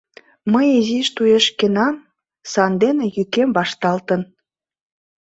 Мый изиш туешкенам, сандене йӱкем вашталтын.